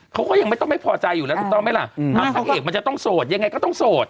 เขาก็ยังไม่ต้องไม่พอใจอยู่แล้วถูกต้องไหมล่ะพระเอกมันจะต้องโสดยังไงก็ต้องโสด